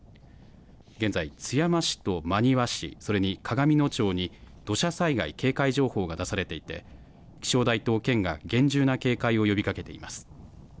現在、津山市と真庭市、それに鏡野町に土砂災害警戒情報が出されていて、気象台と県が厳重な警戒を呼びかけています。